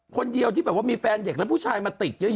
คนเดียวแบบมีแฟนเด็กและพุชายมาติดเยอะอะ